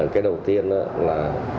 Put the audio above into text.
cái đầu tiên là